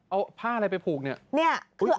เอาผ้าอะไรไปผูกเนี่ย